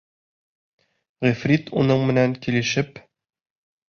Ғифрит уның менән килешеп: